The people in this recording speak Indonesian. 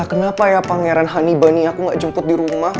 kenapa ya pangeran honey bunny aku gak jemput dirumah